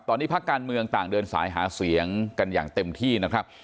ตอนนี้ภาคการเมืองต่างเดินสายหาเสียงกันอย่างเต็มที่นะครับ